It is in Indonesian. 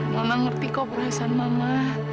mama ngerti kok perasaan mama